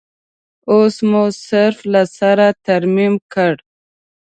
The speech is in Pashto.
اوس مو صرف له سره ترمیم کړ.